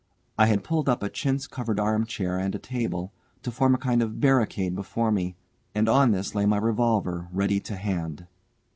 I had pulled up a chintz covered arm chair and a table, to form a kind of barricade before me, and on this lay my revolver ready to hand.